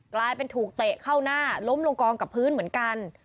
กลายเป็นถูกเตะเข้าหน้าล้มลงกองกับพื้นเหมือนกัน